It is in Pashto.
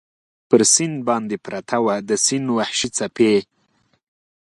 پر سیند باندې پرته وه، د سیند وحشي څپې.